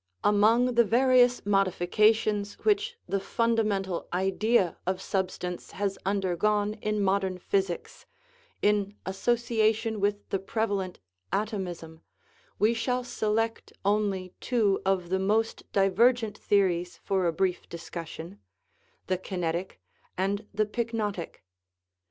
Among the various modifications which the funda mental idea of substance has undergone in modern physics, in association with the prevalent atomism, we shall select only two of the most divergent theories for a brief discussion, the kinetic and the pyknotic.